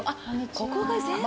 ここが全部。